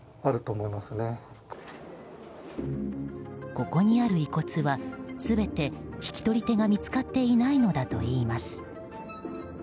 ここにある遺骨は全て引き取り手が見つかっていないのだといいます。